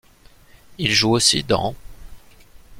Il joue aussi dans '.